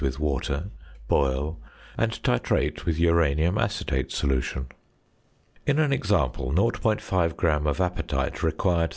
with water, boil, and titrate with uranium acetate solution. In an example, 0.5 gram of apatite required 37.